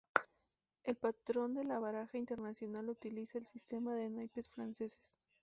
El patrón de la baraja internacional utiliza el sistema de naipes franceses.